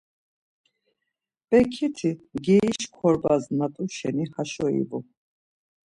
Bekiti mgeriş korbas na t̆u şeni haşo ivu.